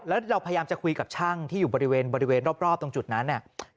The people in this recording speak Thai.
แล้วเราพยายามจะคุยกับช่างที่อยู่บริเวณรอบตรงจุดนั้น